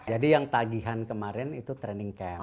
jadi yang tagihan kemarin itu training camp